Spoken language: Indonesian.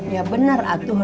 ya benar atuh